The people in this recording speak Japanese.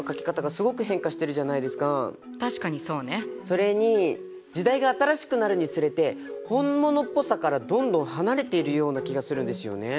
それに時代が新しくなるにつれて本物っぽさからどんどん離れているような気がするんですよね。